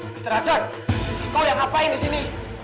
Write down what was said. mr hudson kau yang ngapain di sini